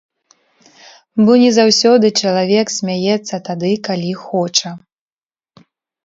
Бо не заўсёды чалавек смяецца тады, калі хоча.